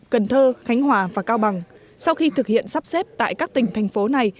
cần thơ khánh hòa và cao bằng sau khi thực hiện sắp xếp tại các tỉnh thành phố này